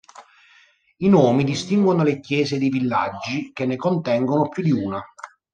I nomi distinguono le chiese dei villaggi che ne contengono più di una.